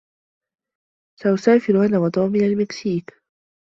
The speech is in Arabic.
سأسافر أنا و توم إلى المكسيك.